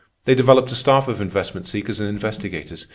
They developed a staff of investment seekers and investigators.